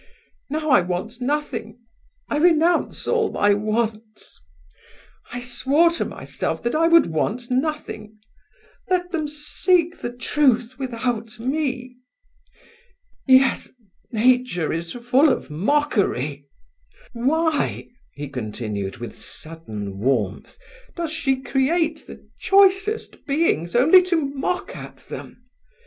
Now I want nothing; I renounce all my wants; I swore to myself that I would want nothing; let them seek the truth without me! Yes, nature is full of mockery! Why"—he continued with sudden warmth—"does she create the choicest beings only to mock at them?